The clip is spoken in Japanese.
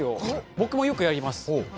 僕もよくやります。